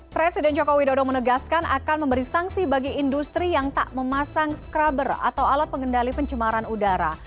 presiden joko widodo menegaskan akan memberi sanksi bagi industri yang tak memasang scrubber atau alat pengendali pencemaran udara